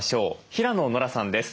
平野ノラさんです。